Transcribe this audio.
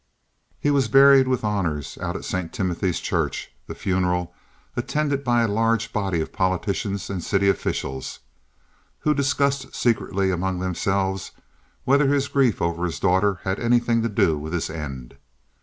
He was buried with honors out of St. Timothy's Church, the funeral attended by a large body of politicians and city officials, who discussed secretly among themselves whether his grief over his daughter had anything to do with his end.